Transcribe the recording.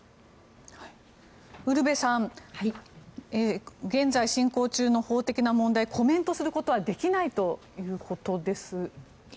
ウルヴェさん現在進行中の法的な問題、コメントすることはできないということです。